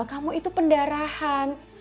kamu itu pendarahan